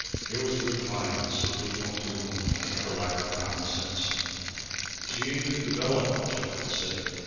There was a good mine, simply going to ruin for lack of common sense. "She ain't been developed," Jeff would say.